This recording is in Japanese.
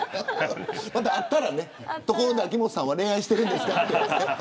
ところで秋元さんは恋愛してるんですかって。